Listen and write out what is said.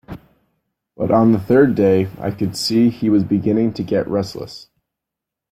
But on the third day I could see he was beginning to get restless.